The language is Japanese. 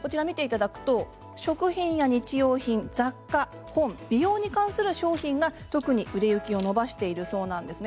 食品や日用品、雑貨、本美容に関する商品が特に売れ行きを伸ばしているそうなんですね。